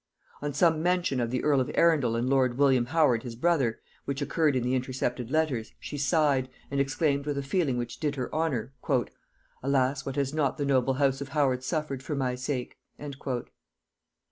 On some mention of the earl of Arundel and lord William Howard his brother, which occurred in the intercepted letters, she sighed, and exclaimed with a feeling which did her honor, "Alas, what has not the noble house of Howard suffered for my sake!"